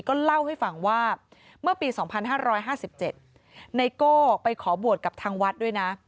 ก็เล่าให้ฟังว่าเมื่อปี๒๕๕๗ไนโก้ไปขอบวชกับทางวัดด้วยนะ